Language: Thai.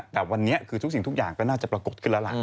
แต่วันนี้คือทุกสิ่งทุกอย่างก็น่าจะปรากฏขึ้นแล้วล่ะ